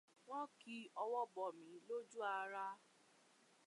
Wọ́n kí ọwọ́ bọ̀ mí lójú ára.